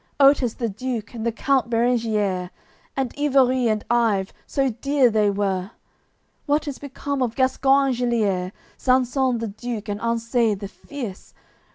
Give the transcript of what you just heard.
Otes the Duke, and the count Berengiers And Ivorie, and Ive, so dear they were? What is become of Gascon Engelier, Sansun the Duke and Anseis the fierce?